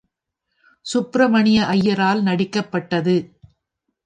சுப்பிரமணிய அய்யரால் நடிக்கப்பட்டது.